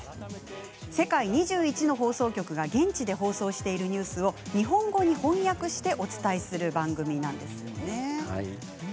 世界２１の放送局が現地で放送しているニュースを日本語に翻訳してお伝えする番組なんですよね。